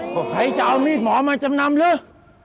ก็ใครจะเอามีดหมอมาจำนำเหรอ